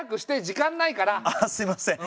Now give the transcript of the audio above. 時間ないから。ああすみません